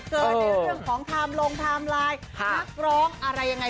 ในเรื่องของไทม์ลงไทม์ไลน์นักร้องอะไรยังไง